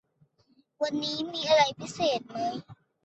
วันนี้มีอะไรพิเศษไหม